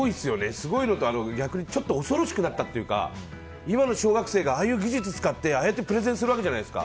すごいのと逆に恐ろしくなったというか今の小学生がああいう技術を使ってああやってプレゼンするじゃないんですか。